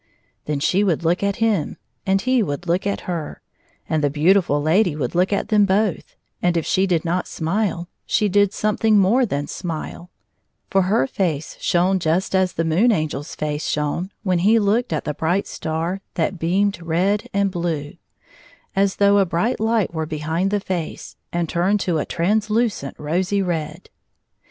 Then she would look at him, and he would look at her, and the beautiM lady would look at them both, and if she did not smile, she did something more than smile, for her face shone just as the Moon Angel's face shone when he looked at the bright star that beamed red and blue — as though a bright light were behind the face, and turned to a translucent rosy red.